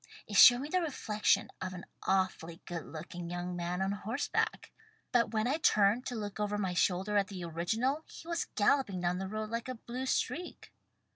It showed me the reflection of an awfully good looking young man on horse back. But when I turned to look over my shoulder at the original he was galloping down the road like a blue streak."